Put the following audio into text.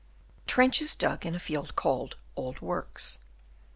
Trenches dug in a field called " Old Works."